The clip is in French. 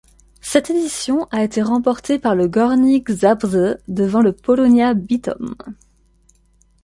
Cette édition a été remportée par le Górnik Zabrze, devant le Polonia Bytom.